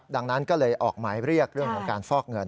ดังนั้นก็เลยออกหมายเรียกเรื่องของการฟอกเงิน